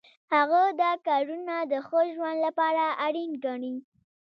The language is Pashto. هغه دا کارونه د ښه ژوند لپاره اړین ګڼي.